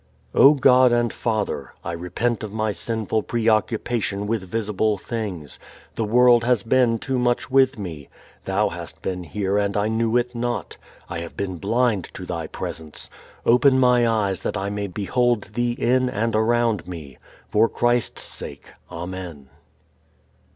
_O God and Father, I repent of my sinful preoccupation with visible things. The world has been too much with me. Thou hast been here and I knew it not. I have been blind to Thy Presence. Open my eyes that I may behold Thee in and around me. For Christ's sake, Amen.